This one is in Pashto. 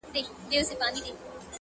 خوار چي موړ سي مځکي ته نه ګوري -